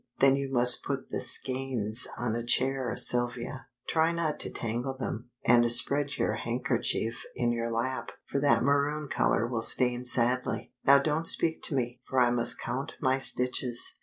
"Then you must put the skeins on a chair, Sylvia. Try not to tangle them, and spread your handkerchief in your lap, for that maroon color will stain sadly. Now don't speak to me, for I must count my stitches."